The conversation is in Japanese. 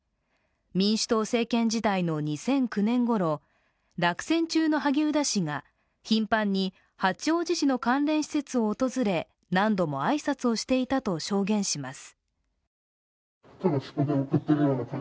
民主党政権時代の２００９年ごろ落選中の萩生田氏が頻繁に八王子市の関連施設を訪れ何度も挨拶をしていたと証言します。